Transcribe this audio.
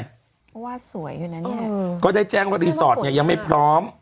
เพราะว่าสวยอยู่นะเนี่ยก็ได้แจ้งว่ารีสอร์ทเนี่ยยังไม่พร้อม